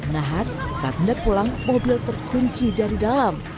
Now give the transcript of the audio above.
nahas saat hendak pulang mobil terkunci dari dalam